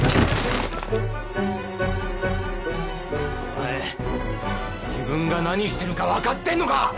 お前自分が何してるかわかってるのか！